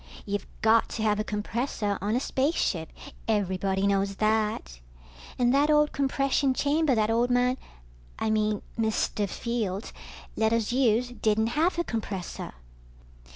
You've got to have a compressor on a spaceship, everybody knows that. And that old compression chamber that old man ... I mean Mr. Fields let us use didn't have a compressor.